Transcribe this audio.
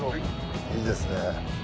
いいですね。